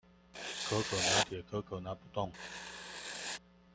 可可拿鐵，可可拿不動